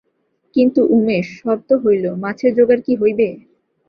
কিন্তু উমেশ, সব তো হইল, মাছের জোগাড় কি হইবে?